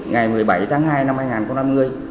ngày một mươi bảy tháng hai năm hai nghìn hai mươi